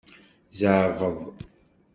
Zeɛbeḍ.